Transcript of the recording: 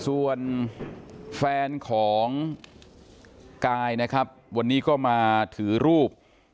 ส่วนแฟนของกายนะครับวันนี้ก็มาถือรูป